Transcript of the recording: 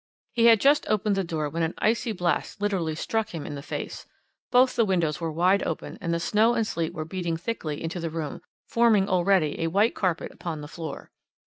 "He had just opened the door when an icy blast literally struck him in the face; both the windows were wide open, and the snow and sleet were beating thickly into the room, forming already a white carpet upon the floor.